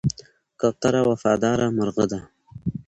کوتره وفاداره مرغه ده.